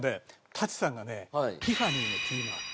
舘さんがねティファニーのティーマーク。